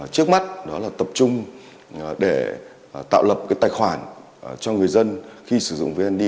trước mắt đó là tập trung để tạo lập cái tài khoản cho người dân khi sử dụng vnid